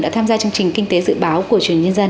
đã tham gia chương trình kinh tế dự báo của truyền nhân dân